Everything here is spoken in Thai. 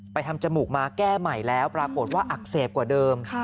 ทำจมูกมาแก้ใหม่แล้วปรากฏว่าอักเสบกว่าเดิม